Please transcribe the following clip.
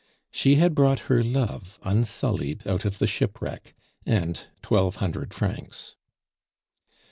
She had brought her love unsullied out of the shipwreck and twelve hundred francs.